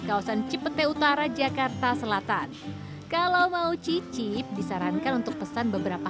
kawasan cipete utara jakarta selatan kalau mau cicip disarankan untuk pesan beberapa